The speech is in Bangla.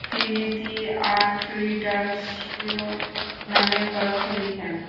তিনি ‘দি আর্ন রিটার্নস’ শিরোনামে গ্রন্থ লিখেন।